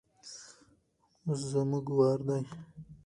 اوس زموږ وار دی.